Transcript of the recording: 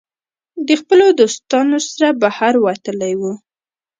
د خپلو دوستانو سره بهر وتلی وو